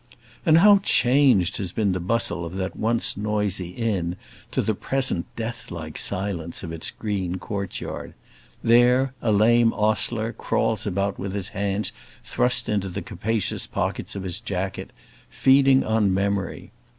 And how changed has been the bustle of that once noisy inn to the present death like silence of its green courtyard! There, a lame ostler crawls about with his hands thrust into the capacious pockets of his jacket, feeding on memory.